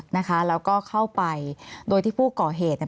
มีความรู้สึกว่ามีความรู้สึกว่า